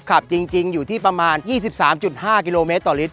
ขับจริงอยู่ที่ประมาณ๒๓๕กิโลเมตรต่อลิตร